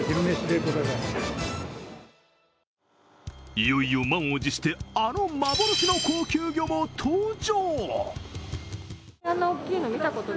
いよいよ満を持してあの幻の高級魚も登場。